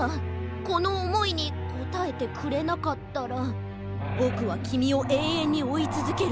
このおもいにこたえてくれなかったらぼくはきみをえいえんにおいつづける。